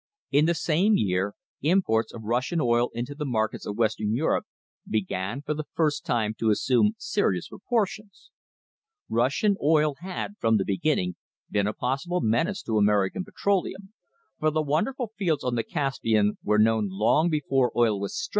In the same year imports of Russian oil into the markets of West ern Europe began for the first time to assume serious pro portions. Russian oil had, from the beginning, been a possible menace to American petroleum, for the wonderful fields on the Caspian were known long before oil was "struck" in * Plaintiff's Exhibit, Number 51, in the case of James Corrigan vs.